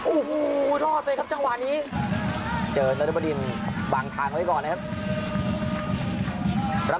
โอ้โหลอดเป็นครับจังหวะนี้เจอนิมนิม่าดินบางทางไว้ก่อนนะครับ